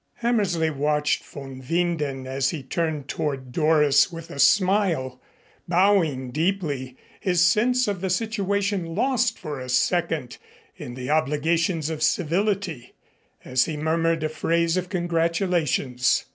Hammersley watched von Winden as he turned toward Doris with a smile, bowing deeply, his sense of the situation lost for a second in the obligations of civility, as he murmured a phrase of congratulations.